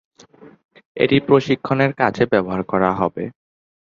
এটি প্রশিক্ষণের কাজে ব্যবহার করা হবে।